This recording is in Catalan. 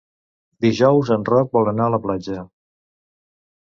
Dijous en Roc vol anar a la platja.